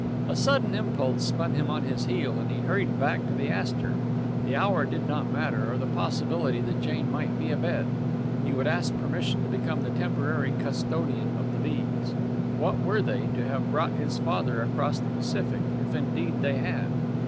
A sudden impulse spun him on his heel, and he hurried back to the Astor. The hour did not matter, or the possibility that Jane might be abed. He would ask permission to become the temporary custodian of the beads. What were they, to have brought his father across the Pacific if indeed they had?